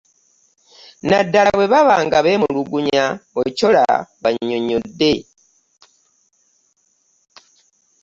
Naddala bwe baba nga beemulugunya, Ochola bw'annyonnyodde.